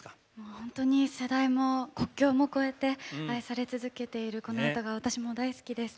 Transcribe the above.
本当に世代も国境も超えて愛され続けているこの歌が私も大好きです。